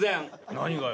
何がよ。